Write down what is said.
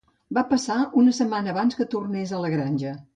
Va passar una setmana abans que tornés a la granja.